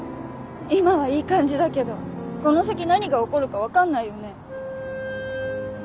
今はいい感じだけどこの先何が起こるかわかんないよね。